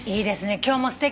今日もすてき。